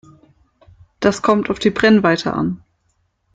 Das kommt auf die Brennweite an.